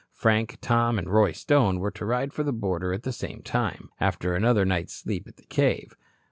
Frank, Tom and Roy Stone were to ride for the border at the same time, after another night's sleep at the cave.